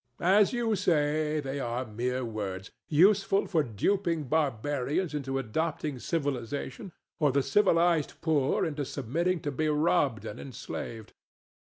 As you say, they are mere words, useful for duping barbarians into adopting civilization, or the civilized poor into submitting to be robbed and enslaved.